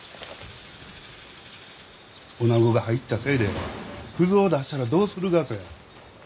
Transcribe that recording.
おなごが入ったせいで腐造を出したらどうするがぜ。